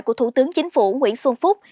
của thủ tướng chính phủ nguyễn xuân phúc